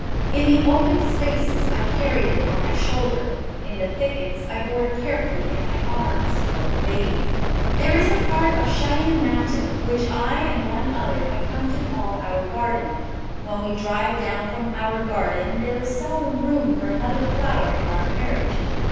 In the open spaces, I carried it on my shoulder; in the thickets, I bore it carefully in my arms, like a baby.... There is a part of Cheyenne Mountain which I and one other have come to call 'our garden.' When we drive down from 'our garden,' there is seldom room for another flower in our carriage.